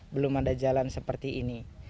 belum ada jalan seperti ini